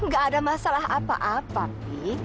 gak ada masalah apa apa